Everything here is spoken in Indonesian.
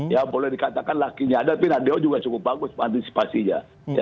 ya boleh dikatakan lakinya ada tapi radio juga cukup bagus antisipasinya